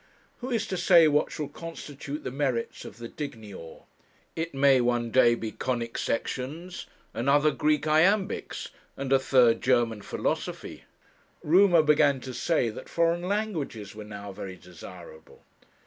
Who is to say what shall constitute the merits of the dignior? It may one day be conic sections, another Greek iambics, and a third German philosophy. Rumour began to say that foreign languages were now very desirable.